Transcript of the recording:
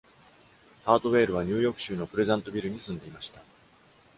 ハートウェールはニューヨーク州のプレザントビルに住んでいました。